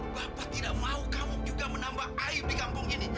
jadi bapak tidak mau kamu juga menambah aib di kampung ini